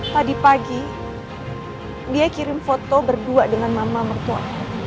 tadi pagi dia kirim foto berdua dengan mama mertua